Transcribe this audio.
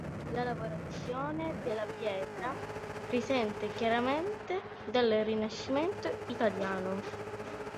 La lavorazione della pietra risente chiaramente dal Rinascimento italiano.